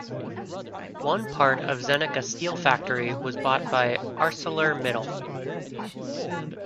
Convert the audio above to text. One part of Zenica steel factory was bought by Arcelor Mittal.